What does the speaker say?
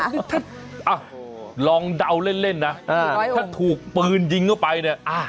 อ้าวลองเดาเล่นเล่นนะอ่าถ้าถูกปืนยิงเข้าไปเนี้ยอ่า